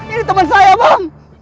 ini temen saya bang